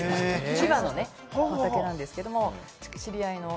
千葉の畑なんですけれど、知り合いの。